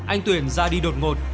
anh tuyển ra đi đột ngột